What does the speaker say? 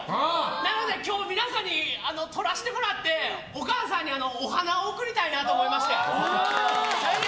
なので、今日皆さんにとらせてもらってお母さんにお花を贈りたいなと思いまして。